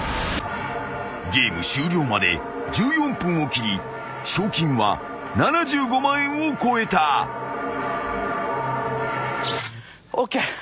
［ゲーム終了まで１４分を切り賞金は７５万円を超えた］ＯＫ。